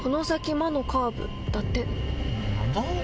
魔のカーブって。